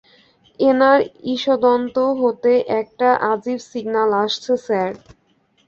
এনার ইসদন্ত হতে একটা আজিব সিগন্যাল আসছে, স্যার।